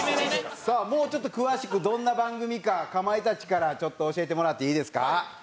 さあもうちょっと詳しくどんな番組かかまいたちからちょっと教えてもらっていいですか？